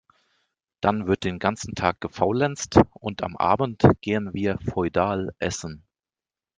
Dann wird den ganzen Tag gefaulenzt und am Abend gehen wir feudal Essen.